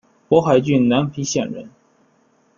勃海郡南皮县人。